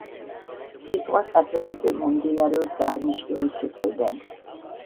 სიტყვა „კათოლიკე“ მომდინარეობს აღნიშნული სიტყვიდან.